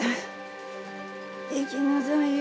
行きなさいよ。